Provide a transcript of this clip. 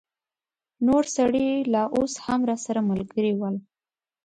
نور سړي لا اوس هم راسره ملګري ول.